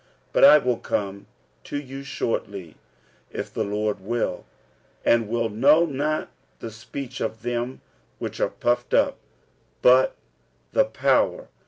46:004:019 But I will come to you shortly, if the Lord will, and will know, not the speech of them which are puffed up, but the power.